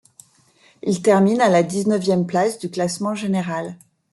Il termine à la dix-neuvième place du classement général.